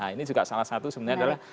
nah ini juga salah satu sebenarnya adalah